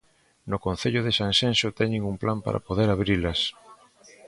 No concello de Sanxenxo teñen un plan para poder abrilas.